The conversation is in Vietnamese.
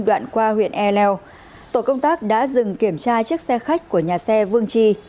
đoạn qua huyện e leo tổ công tác đã dừng kiểm tra chiếc xe khách của nhà xe vương chi